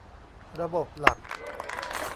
ระบบหลัก